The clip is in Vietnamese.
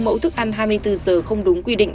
mẫu thức ăn hai mươi bốn giờ không đúng quy định